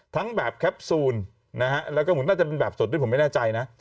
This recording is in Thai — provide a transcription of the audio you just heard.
ทั้งแบบแคปซูลนะฮะแล้วก็เหมือนน่าจะเป็นแบบสดด้วยผมไม่แน่ใจนะ